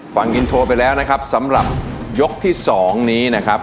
ฟังอินโทรไปแล้วนะครับสำหรับยกที่๒นี้นะครับ